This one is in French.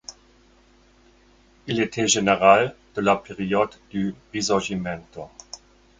Il était général de la période du Risorgimento.